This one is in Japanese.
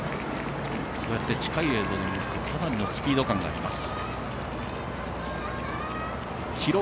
近い映像で見ますと、かなりのスピード感があります。